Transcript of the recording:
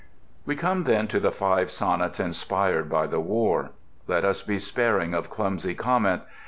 We come then to the five sonnets inspired by the War. Let us be sparing of clumsy comment.